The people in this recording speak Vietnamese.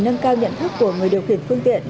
nâng cao nhận thức của người điều khiển phương tiện